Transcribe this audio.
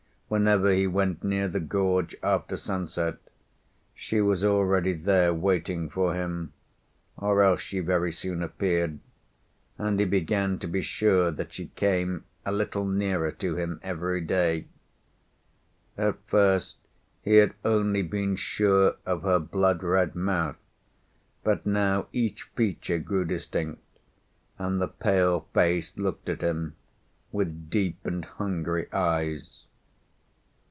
Whenever he went near the gorge after sunset she was already there waiting for him, or else she very soon appeared, and he began to be sure that she came a little nearer to him every day. At first he had only been sure of her blood red mouth, but now each feature grew distinct, and the pale face looked at him with deep and hungry eyes.